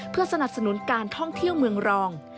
เพื่อสนับสนุนการท่องเที่ยวเมืองรอง